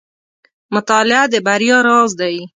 • مطالعه د بریا راز دی.